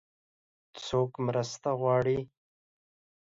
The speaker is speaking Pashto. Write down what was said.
څوک مرسته غواړي؟